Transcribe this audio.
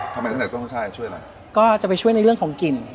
ทำไมขนาดต้นขึ้นช่ายช่วยอะไรก็จะไปช่วยในเรื่องของกลิ่น